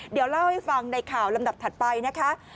เดี๋ยวเล่าให้ฟังในข่าวลำดับถัดไปนะคะ